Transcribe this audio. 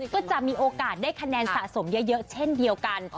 ก็จะมีโอกาสได้คะแนนสะสมเยอะเช่นเดียวกัน